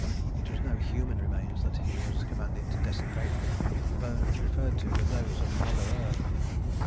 It was no human remains that he was commanded to desecrate; the bones referred to were those of Mother Earth.